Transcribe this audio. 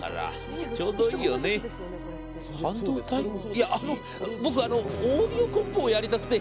いや、あの僕あのオーディオコンポをやりたくて。」